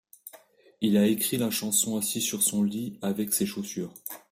Il a écrit la chanson assis sur son lit avec ses chaussures.